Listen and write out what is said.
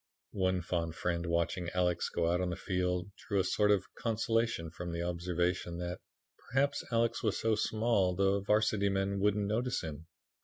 One fond friend watching Alex go out on the field drew a sort of consolation from the observation that "perhaps Alex was so small the Varsity men wouldn't notice him."